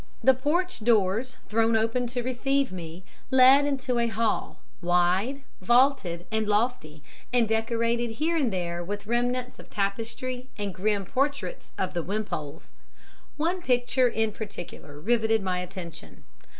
"The porch doors thrown open to receive me, led into a hall, wide, vaulted and lofty, and decorated here and there with remnants of tapestry and grim portraits of the Wimpoles. One picture in particular riveted my attention.